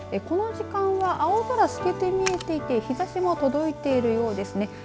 この時間は青空透けて見えていて日ざしも届いているようですね。